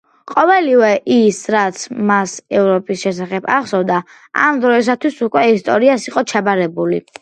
ყოველივე ის, რაც მას ევროპის შესახებ ახსოვდა, ამ დროისათვის უკვე ისტორიას იყო ჩაბარებული.